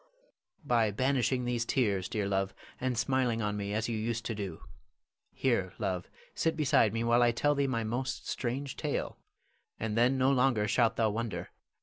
_] Louis. By banishing these tears, dear love, and smiling on me as you used to do. Here, love, sit beside me while I tell thee my most strange tale, and then no longer shalt thou wonder.